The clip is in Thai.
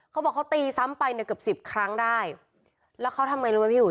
เขาบอกเขาตีซ้ำไปเนี่ยเกือบสิบครั้งได้แล้วเขาทำไงรู้ไหมพี่อุ๋